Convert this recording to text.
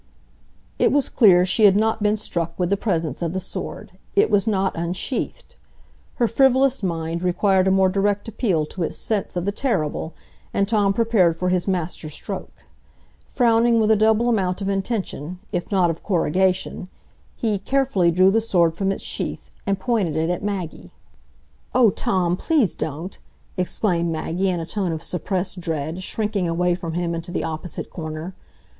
It was clear she had not been struck with the presence of the sword,—it was not unsheathed. Her frivolous mind required a more direct appeal to its sense of the terrible, and Tom prepared for his master stroke. Frowning with a double amount of intention, if not of corrugation, he (carefully) drew the sword from its sheath, and pointed it at Maggie. "Oh, Tom, please don't!" exclaimed Maggie, in a tone of suppressed dread, shrinking away from him into the opposite corner.